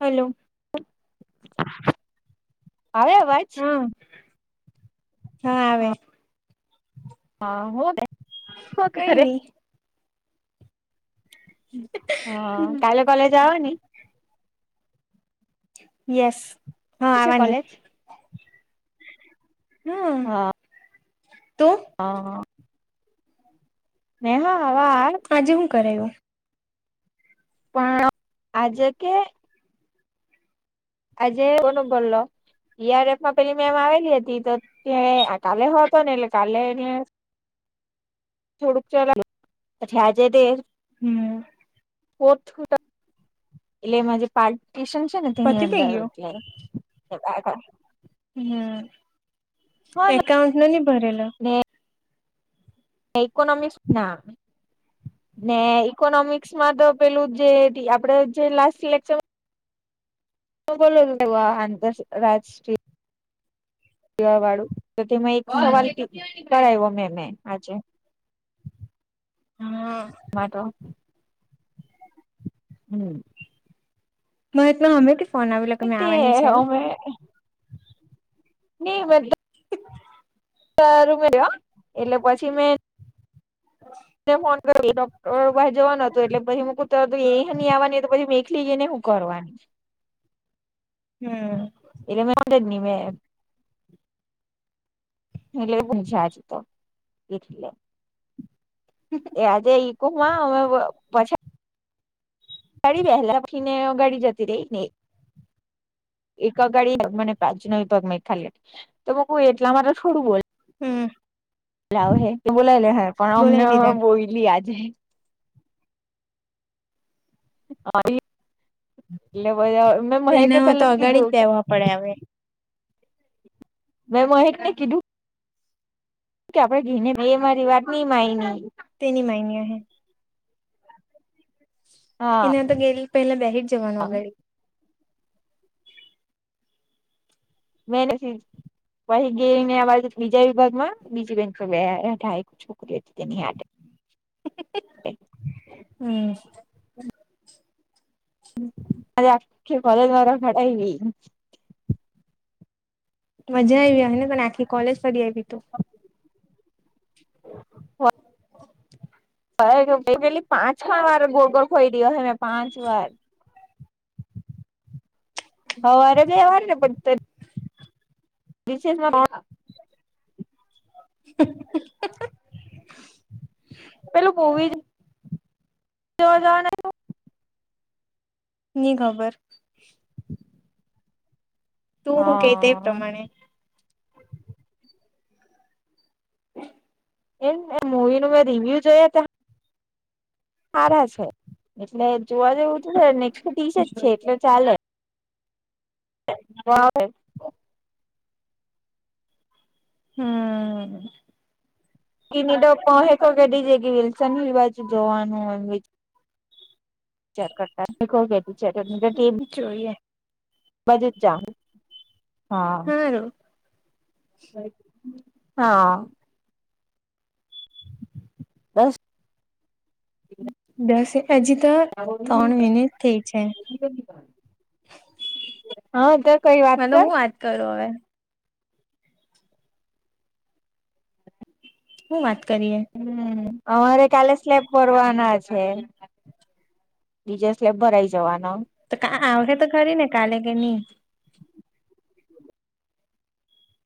Hello. આવે અવાજ. હા હા આવે. હા હુ કે હું કઈ કરે. નહી હમ હા કાલે કોલેજ આવાની. યસ હા છે આવાની. કોલેજ હમ તો. હા હા. નેહા હવાળ. આજે હું કરાયવું. પણ આજે કે આજે કો નો બોલો. ઈઆરએફમાં પેલી મેમ આવેલી હતી તો તે આ કાલે હો હતો ને એટલે કાલે ને થોડુંક ચલાવે [unintelligible] પછી આજે તે હમ. [unintelligible] એટલે એમાં જે પાર્ટશન છે ને તું ની પતિ પે અંદર ગયો ઉતરે [unintelligible] હમ એકાઉંન્ટ નો ની ભરેલો ને ઇકોનોમિક્સ ના ને ઈકોનોમિક્સ માં તો પેલું જે ટી આપડે જે લાસ્ટ સિ લેક્ચર તો બોલ [unintelligible] રાજ પીવા વાળું તો તેમાં એક હમ સવાલ કરાવ્યો મેમે આજે. હા. [unintelligible] મ એ ના હમેથી ફોન‌ આવેલો કે મેં તે આવવાની છે અમે [unintelligible] [inaudible] રૂમે્યો એટલે પછી મેં [inaudible] ને ફોનોકર જવાનું હતું એટલે પછ હું ક ત એ નહી આવવાની તો પછી બેખ લઈ ગઈ ને હું કરવાનું હમ એલે મે નિવે એટલેૂ છે આજ તો એટલે એ આજે પછ ગાડી વહેલાી ને ગાડી જ જ નને એક ગાડી પાચન મે ખાલી તોમે હું એટલે મારે છોડું બો હમ લું હે તું બોલાય લ હે પણ અમને બોલાવી દીધા બોયલી આજે હા એટલે બધા મે મ તો કે એનામાં તો પેલા જ અગાડી કીધું બેવા પડે હવે મે મહેક ને કીધું કે આપડે ઘીને એ મારી વાત નઈ માયની તેની માઇની હ હા ત્યાં તો ગે પેલા બર જવાનું અગળ મેની પછ ગઈને આ બીજા વિભાગ માં બીજી બેન બે અઢ છોકરીઓ હતી તેનીડ હમ મારે આખી કોલે દ્વારા ઘટાયઈ મજા આવી આવી ને પણ આખી કોલેજ ફરી આવી તું [inaudible] પેલી પાંચા વાર ગોગલ ખોઈ રહ્યો હ મેં પાંચ વાર હવારે ગયાવા ને બધા રિસેસમાં હ પેલું જ [unintelligible] ની ખબર તું હું કે તે એ હા પ્રમાણે હ એ મુવી નું મેં રિવ્યુ જોયા ત્યા સારા છે એટલે જોવા જેવું છે ને એકસોત્રીશ છે જોઈએ એટલે ચાલે [inaudible] હમ જ વિલસન હિલ બાજુ જોવાનું હોમ ચાર કરતા [unintelligible] ટીમ જોઈએ [unintelligible] હા [inaudible] હા બસ બસ આજ તો ત્રણ મિનિટ થઈ છે [unintelligible] હા ત કઈ વાત કર કરો હવે હું વાત કરીએ હમ અમારે કાલે સ્લેબ ભરવાના છે. બીજે સ્લેબ ભરાઈ જવાનો. તો કા આવહે તો ખરી ને કાલે કે ની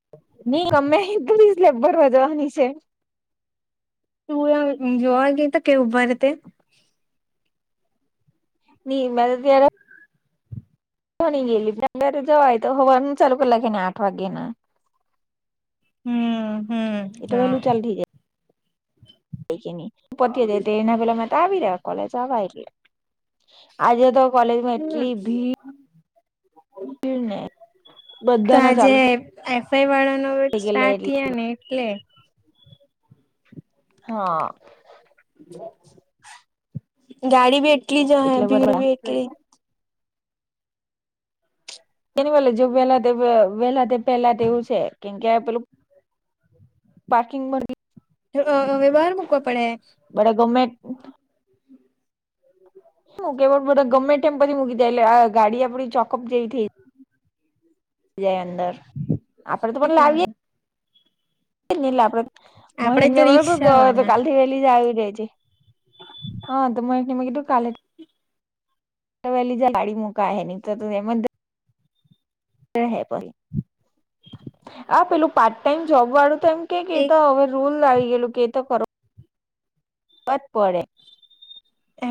[unintelligible] [unintelligible] કેવુ ભરે તે ની મે તો ત્યારે કંટારી ગેલી [unintelligible] જવા એ તો હવારનું ચાલુ કરલા કેે ને આઠ વાગ્યેના હમ એ હમ તો હા વેલું ચાલતી જાય [unintelligible] આજે તો કોલેજમાં હમ એટલી ભીડ ને બધા ના ચાલુ એફવાઈ વાળા નો થઈ ગયેલા સ્ટાર્ટ એટલે થીયા ને એટલે હા ગાડી ભી એટલી જ અહે એટલે ભીડ બધા ભી એટલી તેની પેલે જો વેલા વહેલા પહેલા તેવું છે કેમકે પેલું પાર્કિંગમાં એતો હવે બહાર મૂકવા પડે બધા ગમે હ કે ગમે તેમ પહિ મૂકી જાય ગાડી આપડી ચોકઅપ જેવી થઈ જ અંદર આપડે તો પણ લાવીએે તો રિક્ષા આપડે [unintelligible] વાળા કાલ થી વહેલી જ આવી રે જે હા તો મહેક ને મેં કીધું કાલે [unintelligible] ગાડી મુકાહે ની તો તું એમજ [unintelligible] આ પેલું પાર્ટ ટાઈમ જોબ વાળું તો એમ કે કે એક એતો હવે રૂલ આવી ગેલું કેતો કરો [unintelligible] પડે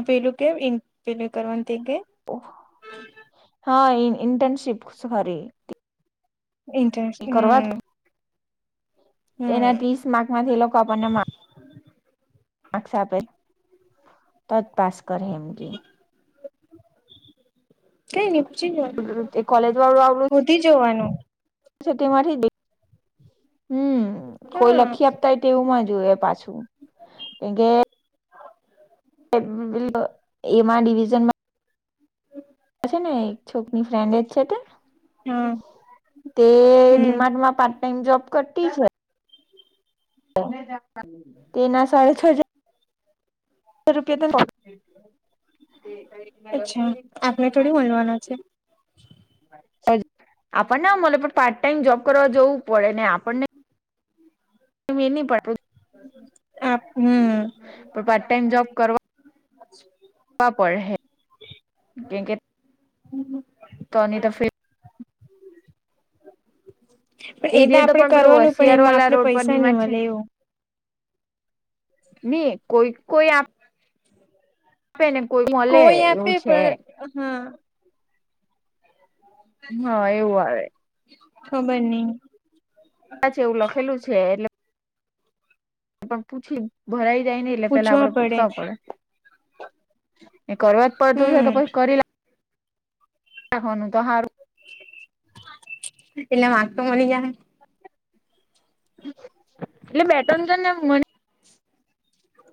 પેલું કે પેલું કરવાનું તે કે હા ઈન્ટર્નશિપસ વરી ઇન્ટરેસ્ હમ્મ એના ત્રીસ માર્ક માંથી એ લોકો આપણને મા ક્સ આપે તો જ પાસ કરે એમ કઈ ની પૂછી જો કે કોલેજ હોધી જોવાનું તે મારી હમ કોઈ હા લખી આપતા હોય તેવું માં જોય પાછું કેમ કે [unintelligible] એમાં ડિવિઝનમા છે ને એક છોકરી ફ્રેન્ડ જ છે તે હા તે હમ ડિમાટમાં પાર્ટ ટાઈમ જોબ કરતી છે. તેના સાળે છ રૂપિયા અચ્છા આપણે થોડી તો મળવાનો છે એડ આપણને ના મળે પણ પાર્ટ ટાઈમ જોબ કરવા જવું પડે ને આપણને મેળ નહી પડવું આપ હમ પણ પાર્ટ ટાઈમ જોબ કરવા [inaudible] પડહે કે કે [inaudible] તોની તો ફે પણ એ તો જે આપડે પણ પેલો કરવાનું પણ હોશિયાર એમાં વાળા આપને રોડ પર પૈસા નહી ડીમાર્ટ છે મળે એવું નહી કોઈ કોઈ આપ આપે ને કોઈ મળે એવું છે હમ્મ હા. હા એવું આવે. ખબર નહી. કદાચ એવુ લખેલું છે એટલે પણ પૂછી ભરાઈ જાય નઈ એટલે પેલા આપડે પૂછવા પડે એ કરવા જ પડતું હશે તો પછી હમ કરે લા તેઓ નુ તો હારું એટલે વાત તો મળી જાહે એટલે બેટન જન ને આમ મને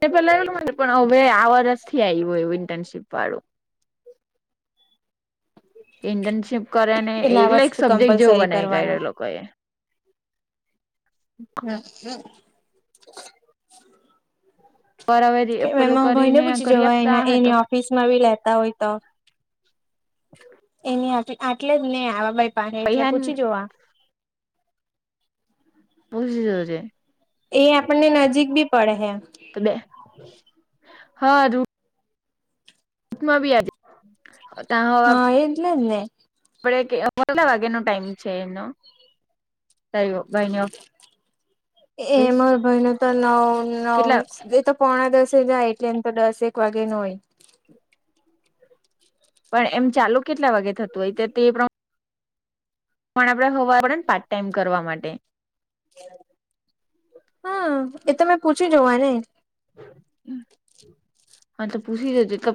એ પેલા એલું પણ હવે આ વર્ષ થી આવ્યું એવું ઇન્ટરશીપ વાળું ઇન્ટર્નશીપ કરે ને એટલે આ એલે એક વસ્તુ સબ્જેક્ટ જેવું કમ્પલસરી બનાવી દે કરવાનું લોકો એ હમ્મ હમ્મ. પર હવે કે એમ પેલું ભય ને કરીને પૂછી કરી જોવાય આપતા એના હે તો એની ઓફિસ નવી લેતા હોય તો એની આટલે જ નહી આવે. પાની એટલે પૈહાન પૂછી જોવા પુછી જોજે એ આપણને નજીક બી પડે હે. તું બે હારુ માં ભી આલી હા એટલે જ ને આપડ કે કેટલા વાગ્યા નો ટાઈમ છે એનો [unintelligible] એ ઓફિસ માર ભાઈનો તો નવ કેટલા નવ એ તો પોણા દસે જાય એટલે એમ તો દસક વાગે નો હોય. પણ એમ ચાલો કેટલા વાગે થતું હોય તે પ્રમા પણ આપડે હોવા પડે ને પાર્ટ ટાઈમ કરવા માટે હા એ તમે પૂછી જોવા ને હા તો પૂછી જોજે તો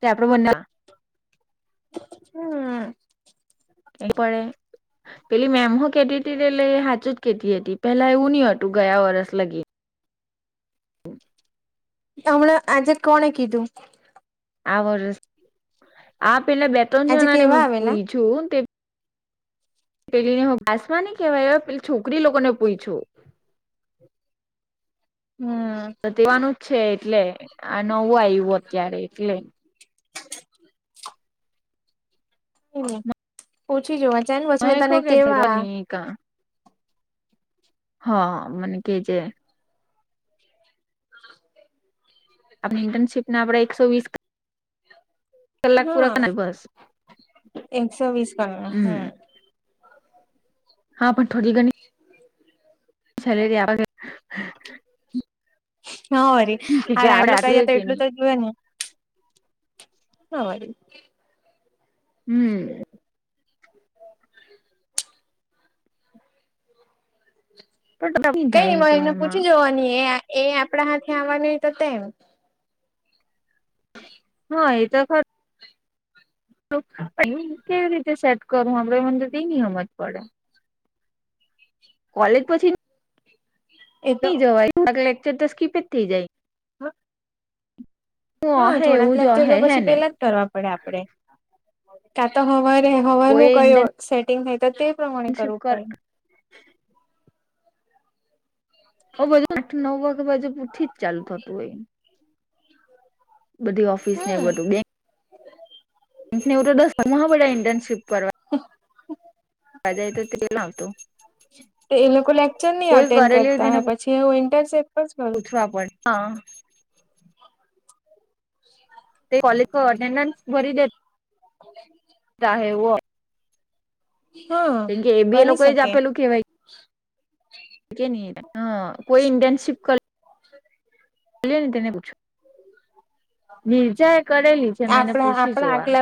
તે આપણા બને નુ હા. એ પણ એ પેલી મેમ હું કેતીતી કે લઈ હાચું જ કેતી હતી પેલા એવું નહિ હતું ગયા વરસ લગી. હમણા આજે કોણે કીધું આ વર્ષ આ પેલા બે ત્રણ આજે જણા ને મે કેવા આવેલા પૂછયુ પેલી ને હું બાસમાની કેવાય પેલી છોકરી લોકો ને પૂછયૂ હમ્મ. તે દવાનું છે એટલે આ નવું આવ્યું અત્યારે એટલે હમ્મ પૂછી જોવા છે ને બસ મેં તને કેવા એ કા હા મને કે જે આપણી ઇન્ટર્શીપના આપણે એકસો વીસ કલાક પૂરા હા કરનાક બસ એકસો વીસ કરના હમ્મ. હમ હા પણ થોડી ઘણી હ છે લેથી આવા દે હા વરી કે કે આપડે આટલું ખઈએ તો છે એટલું નહી તો જોવે ને હા વરી હમ પણ કઈ ન થાય મ છો એને એમાં પૂછી જવા ન એ એ આપણા હાથે આવવાનું તો તેમ હા એ તો ખ કેવી રીતે સેટ કરું હમ મને તેનીમજ પડે કોલેજ પછી એ તો નઈ જવાય લેક્ચર તો સ્કીપ જ થઈ જાય હા હું હા અહે થોડાક એવું જ લાગકચર અહે ગયો હે પછી ને પેલા કરવા પડે આપડે કા તો હવા કોઈ હવાનું કયું સેટિંગ થાય તો તે પ્રમાણે ઇન્ટર્નશીપ કરવું કરે પડ ઓ બાજુ આઠ નવ વાગ્યા બાજુ જ ચાલુ થતું હોય બધી ઓફિસ ને બધું બે હ એવું ઇન્ટર્નશિપ કરવા [unintelligible] જાય તો તે આવતું એ લોકો લેક્ચર નહી કોઈ અટેન્ડ કરેલી હોય કરતા હ તેને પછી જે વિઇન્ટરસ પૂછવા પડે હા શી તે કોલેજ અટેન્ડન્સ ભરી દે. હમ. હેવ. હા કેમ કે એ બી એ બની લોકો જ શકે આપેલું કેહેવાય ન હ કોઈ ઇન્ટનશિપ એ ને તેને પૂછો નિિર્જા એ કરેલી છે મે એને આપણા પૂછી જોવાનું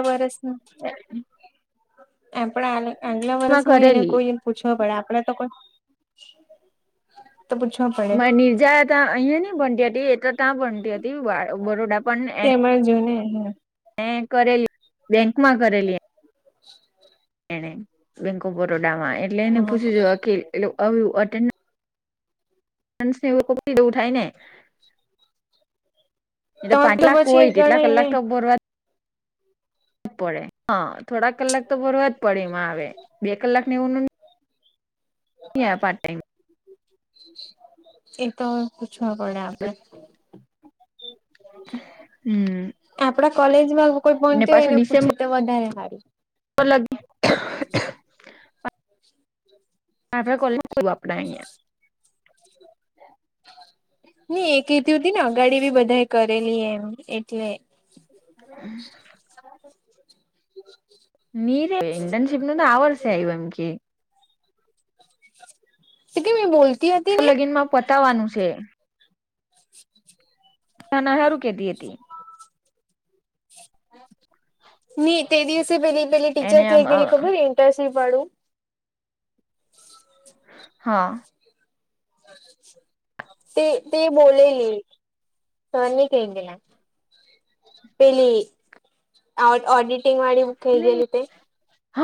એ પણ આગલા માં વર્ષમાં એને કરેલી કોઈ પૂછવો પડે આપડે તો કોઈ તો પૂછ મા નિર્જા ત અહિયાં નં બનતી હતી એ તો ત્યાં ભનતી હતી બરોડા તેમાં જોય ને મે કરેલી બેંક માં કરેલી [unintelligible] એણે બેંક ઓફ બરોડામાં એટલે એને પૂછી જો અખલ એટ મસને એવું કપડી દ ઉઠાય ને. એ તો જ તો પાટલાક પછી એ કોય કેટલા ગણાય ને કલાક ટોપ બોરવા. પડે હા થોડા કલાક તો ફરવા જ પડીમાં આવે બે કલાક નેવું. એયા પાર ટાઈમ. એ તો. પૂછવા પડે આપડે. હમ આપડા કોલેજમાં કોઈ ને ભણતી હોય એને પૂછે તો વધારે મારી. લાગ. આપ આપણા કોલે કોઈ વાપડા. નઈ એકધ હતી ને અગાડી બી બધા કરેલી એમ એટલે. હમ. [unintelligible] ની રે ઇન્ટર્નશીપનું તો આ વર્ષે આયવુ એમ કેય. તથી મેં બોતી. લગીન માં પતાવવાનું છે. ના ના હારૂ કેતી હતી. હમ. ની તે દિવસે પેલી પેલી ટીચર આમ કેય ગેલી ખબર ઇન્ટરસીપવાળુ. હા. [inaudible] તે તે બોલેલી તો ની કેય ગેલા. પેલી અ ઓડીટિંગવાળી કેય નહી ગેલી તે. હ